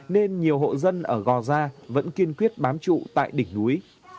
nên nhiều hộ dân ở gò gia vẫn kiên quyết bám trụ tại đỉnh núi